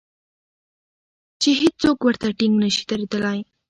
چې هېڅوک ورته ټینګ نشي درېدلای.